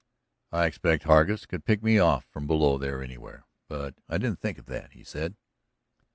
"I expect Hargus could pick me off from below there anywhere, but I didn't think of that," he said.